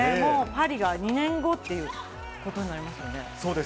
パリが２年後っていうことになりますよね。